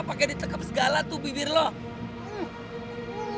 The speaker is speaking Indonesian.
pakai ditekep segala tuh bibir lu